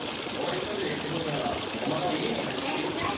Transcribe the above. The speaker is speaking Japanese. オレ一人で行ってくるからおまえは家に入ってていいぞ。